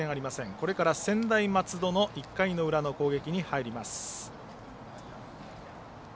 これから専大松戸の１回の裏の攻撃に入ります。